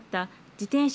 自転車